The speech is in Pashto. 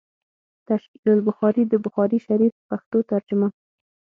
“ تشعيل البخاري” َد بخاري شريف پښتو ترجمه